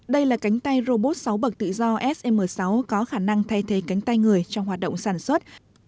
đây là cánh tay robot sáu bậc tự do sm sáu có khả năng thay thế cánh tay người trong hoạt động sản xuất